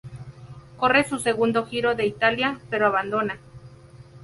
Corre su segundo Giro de Italia, pero abandona.